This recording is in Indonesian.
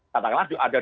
katakanlah ada dugaannya